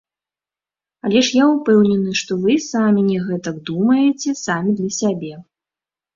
Але ж я ўпэўнены, што вы і самі не гэтак думаеце, самі для сябе.